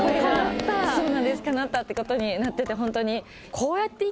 そうなんですかなったってことになっててホントに。